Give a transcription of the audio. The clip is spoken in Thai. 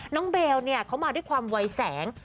น้องเบลเขามาด้วยความไวแสง